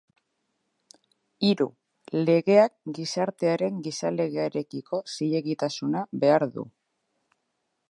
Hiru, legeak gizartearen gizalegearekiko zilegitasuna behar du.